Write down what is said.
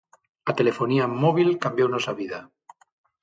A telefonía móbil cambiounos a vida.